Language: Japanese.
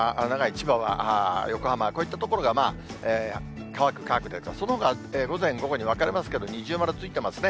千葉は、横浜、こういった所が乾く、乾くで、そのほか、午前、午後に分かれますけれども、二重丸ついていますね。